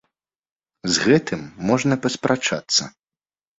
З гэтым можна паспрачацца.